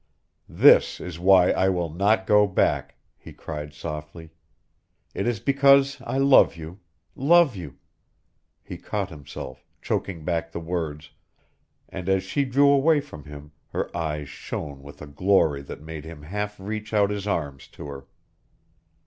"This is why I will not go back," he cried softly. "It is because I love you love you " He caught himself, choking back the words, and as she drew away from him her eyes shone with a glory that made him half reach out his arms to her.